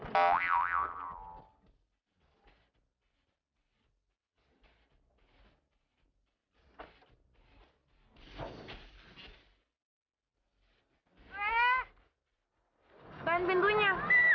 teteh tolong pintunya